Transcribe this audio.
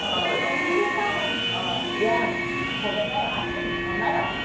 いや、跳べないよ、足、こんなだもん。